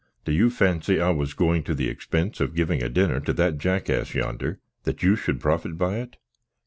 Do you fancy I was going to the expense of giving a dinner to that jackass yonder, that you should profit by it?